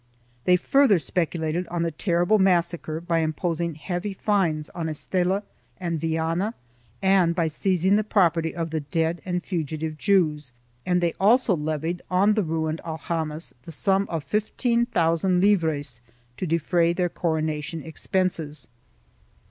They further speculated on the terrible massacre by imposing heavy fines on Estella and Viana and by seizing the property of the dead and fugitive Jews, and they also levied on the ruined aljamas the sum of fifteen thousand livres to defray their coronation expenses.